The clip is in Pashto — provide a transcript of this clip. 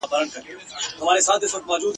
ویاړلی بیرغ !.